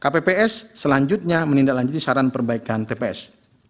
kpps selanjutnya menindaklanjuti saran perbaikan tps